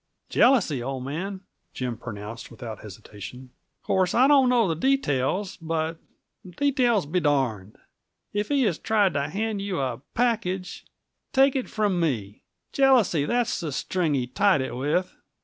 "Jealousy, old man," Jim pronounced without hesitation. "Of course, I don't know the details, but details be darned. If he has tried to hand you a package, take it from me, jealousy's the string he tied it with.